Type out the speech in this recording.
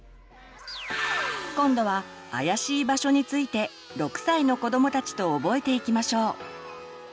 今度は「あやしい場所」について６歳の子どもたちと覚えていきしょう。